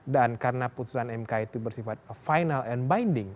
dan karena putusan mk itu bersifat final and binding